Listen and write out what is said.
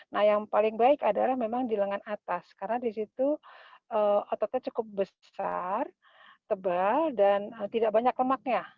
nah yang paling baik adalah memang di lengan atas karena di situ ototnya cukup besar tebal dan tidak banyak lemaknya